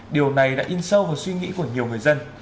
điều này đã in sâu vào suy nghĩ của nhiều người dân